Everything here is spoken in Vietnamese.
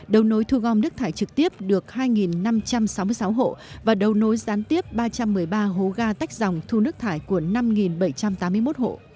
đầu nối thu gom nước thải trực tiếp được hai năm trăm sáu mươi sáu hộ và đầu nối gián tiếp ba trăm một mươi ba hố ga tách dòng thu nước thải của năm bảy trăm tám mươi một hộ